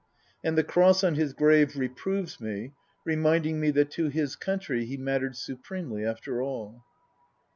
And the cross on his grave reproves me, reminding me that to his country he mattered supremely, after all.